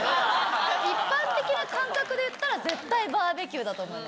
一般的な感覚でいったら絶対バーベキューだと思うんです。